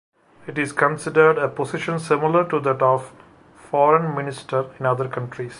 It is considered a position similar to that of Foreign Minister in other countries.